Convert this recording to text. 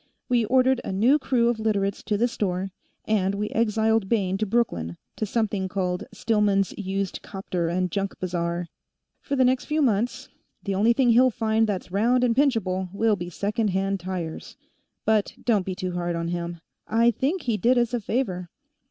We ordered a new crew of Literates to the store, and we exiled Bayne to Brooklyn, to something called Stillman's Used Copter and Junk Bazaar. For the next few months, the only thing he'll find that's round and pinchable will be second hand tires. But don't be too hard on him; I think he did us a favor."